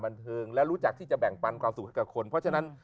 บันเทิงและรู้จักที่จะแบ่งปันความสุขให้กับคนเพราะฉะนั้น